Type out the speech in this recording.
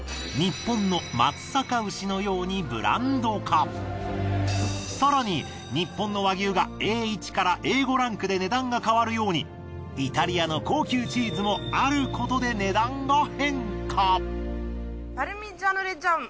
日本の更に日本の和牛がＡ１からＡ５ランクで値段が変わるようにイタリアの高級チーズもあることで値段が変化。